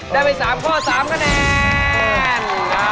ได้ไป๓ข้อ๓คะแนน